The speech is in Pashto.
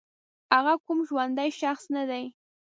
هغه کوم ژوندی شخص نه دی